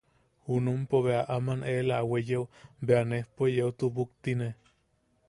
Junumpo bea aman eela a weyeo bea nejpo yeu tubuktine.